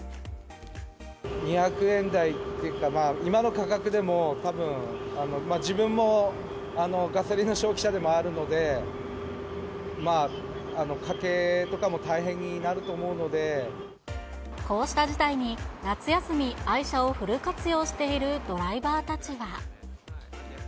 ２００円台っていうか、まあ、今の価格でも、たぶん、自分もガソリンの消費者でもあるので、こうした事態に、夏休み、愛車をフル活用しているドライバーたちは。